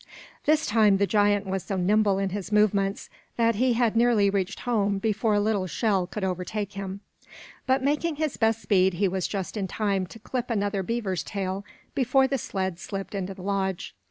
This time the giant was so nimble in his movements that he had nearly reached home before Little Shell could overtake him; but making his best speed, he was just in time to clip another beaver's tail before the sled slipped into the lodge.